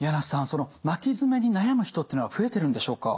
その巻き爪に悩む人っていうのは増えてるんでしょうか？